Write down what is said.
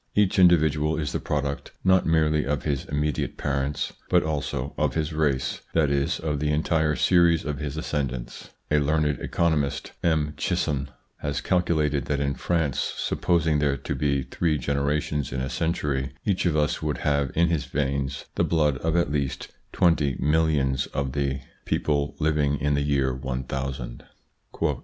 Each individual is the product not merely of his immediate parents but also of his race, that is of the entire series of his ascend ants. A learned economist, M. Cheysson, has calcu lated that in France, supposing there to be three generations in a century, each of us would have in his veins the blood of at least twenty millions of the ITS INFLUENCE ON THEIR EVOLUTION 9 people living in the year 1000.